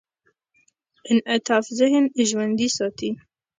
انعطاف ذهن ژوندي ساتي.